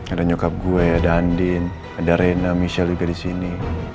ada nyokap gue ada andin ada rena michelle juga disini